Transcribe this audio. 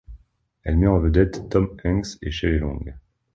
Elle met en vedette Tom Hanks et Shelley Long.